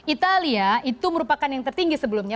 italia itu merupakan yang tertinggi sebelumnya